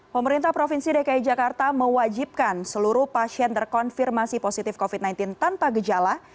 pemerintah provinsi dki jakarta mewajibkan seluruh pasien terkonfirmasi positif covid sembilan belas tanpa gejala